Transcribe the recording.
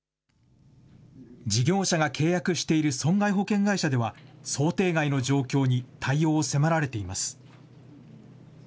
事業者が契約している損害保険会社では、想定外の状況に対応を迫られています。